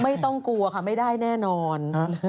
ไม่ต้องกลัวค่ะไม่ได้แน่นอน